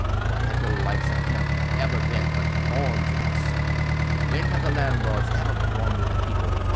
What have the likes of him ever been but thorns in our side? When have the landlords ever gone with the people?